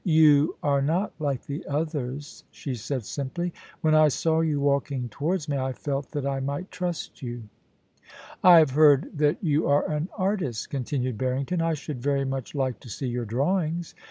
You are not like the others,' she said simply. * When I saw you walking towards me I felt that I might trust you.* * I have heard that you are an artist,' continued Barring ton. * I should very much like to see your drawings.'